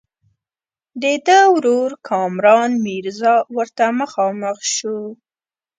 د ده ورور کامران میرزا ورته مخامخ شو.